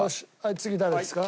次誰ですか？